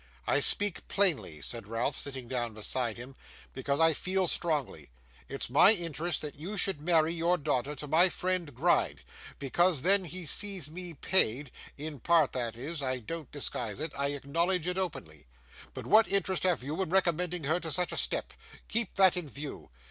'I speak plainly,' said Ralph, sitting down beside him, 'because I feel strongly. It's my interest that you should marry your daughter to my friend Gride, because then he sees me paid in part, that is. I don't disguise it. I acknowledge it openly. But what interest have you in recommending her to such a step? Keep that in view.